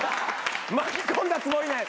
巻き込んだつもりない。